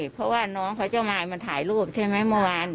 มันไม่เพราะว่าน้องพระเจ้ามายมาถ่ายรูปใช่ไหมเมื่อวาน